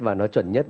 và nó chuẩn nhất